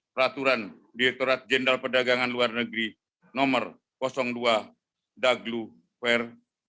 peraturan direktorat jenderal perdagangan luar negeri nomor dua daglu fair satu dua ribu dua puluh dua